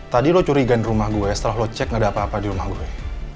tadi lo curigain rumah gue setelah lo cek gak ada apa apa di rumah gue